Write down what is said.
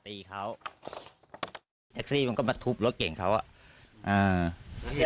แต่แท็กซี่เขาก็บอกว่าแท็กซี่ควรจะถอยควรจะหลบหน่อยเพราะเก่งเทาเนี่ยเลยไปเต็มคันแล้ว